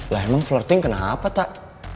lah emang florating kenapa tak